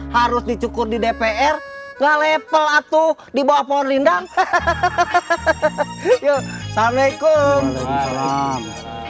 harus dicukur di dpr nggak level atau dibawa pohon lindang hahaha yuk